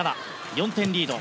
４点リード。